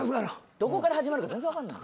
どこから始まるか全然分かんない。